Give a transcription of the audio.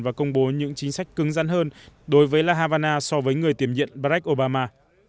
và công bố những chính sách cưng rắn hơn đối với la havana so với người tiềm nhiệm barack obama